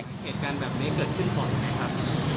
เหตุการณ์แบบนี้เกิดขึ้นบ่อยไหมครับ